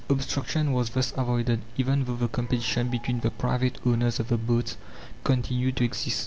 Obstruction was thus avoided, even though the competition between the private owners of the boats continued to exist.